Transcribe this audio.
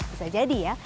bisa jadi ya